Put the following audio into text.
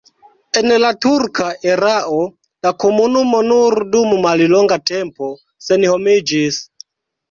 En la turka erao la komunumo nur dum mallonga tempo senhomiĝis.